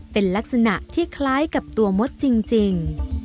เป็นลักษณะที่คล้ายกับตัวมดจริง